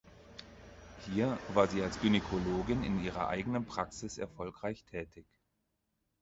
Hier war sie als Gynäkologin in ihrer eigenen Praxis erfolgreich tätig.